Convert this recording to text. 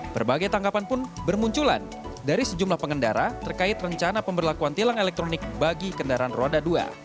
berbagai tanggapan pun bermunculan dari sejumlah pengendara terkait rencana pemberlakuan tilang elektronik bagi kendaraan roda dua